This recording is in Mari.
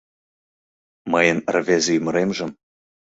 Мыйын рвезе ӱмыремжым